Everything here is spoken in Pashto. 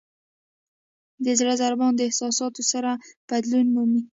د زړه ضربان د احساساتو سره بدلون مومي.